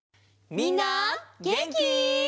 みんなげんき？